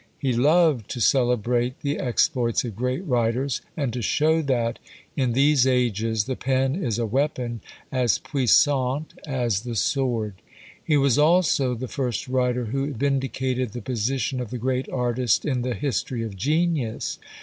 He loved to celebrate the exploits of great writers, and to show that, in these ages, the pen is a weapon as puissant as the sword. He was also the first writer who vindicated the position of the great artist in the history of genius.